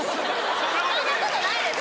そんなことないです！